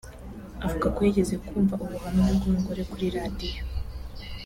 Avuga ko yigeze kumva ubuhamya bw’umugore kuri radiyo